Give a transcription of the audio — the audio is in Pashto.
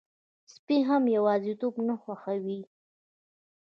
سپي هم یواځيتوب نه خوښوي.